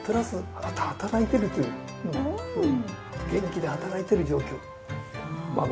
元気で働いている状況まめ！